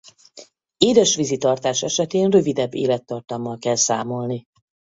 Édesvízi tartás esetén rövidebb élettartammal kell számolni.